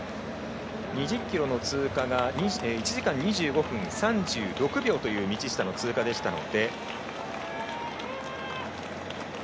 ２０ｋｍの通過が１時間２５分３６秒という道下の通過でしたので。